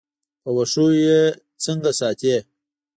په واښو یې څنګه ساتې.